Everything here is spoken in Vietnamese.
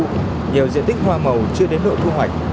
nhiều diện tích hoa màu chưa đến độ thu hoạch